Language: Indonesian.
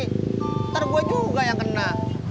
ntar gue juga yang kena